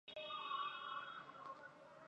夏威夷航空是夏威夷最大的航空公司。